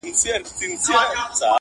له خوښيه ابليس وكړله چيغاره -